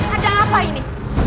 ada apa ini